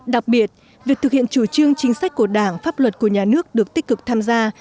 đặc biệt việc thực hiện chủ trương chính sách của đảng pháp luật của nhà nước được tích cực tham gia